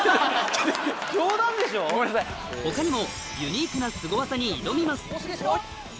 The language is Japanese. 他にもユニークなスゴ技に挑みます